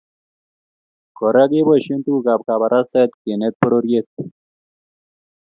Kora keboisie tugukab kabarastaet kenete pororiet